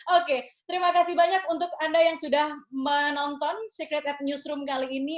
oke terima kasih banyak untuk anda yang sudah menonton secret at newsroom kali ini